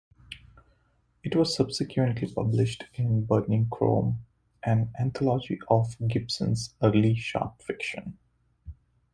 It was subsequently published in "Burning Chrome", an anthology of Gibson's early short fiction.